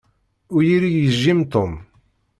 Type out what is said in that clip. Ur iyi-yejjim Tom.